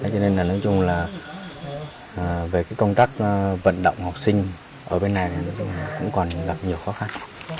thế nên là nói chung là về cái công tác vận động học sinh ở bên này thì cũng còn gặp nhiều khó khăn